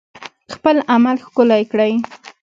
خپل عمل ښکلی کړئ